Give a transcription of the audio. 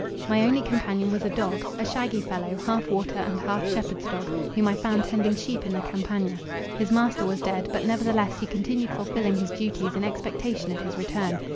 My only companion was a dog, a shaggy fellow, half water and half shepherd's dog, whom I found tending sheep in the Campagna. His master was dead, but nevertheless he continued fulfilling his duties in expectation of his return.